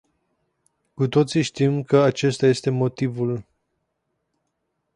Cu toții știm că acesta este motivul.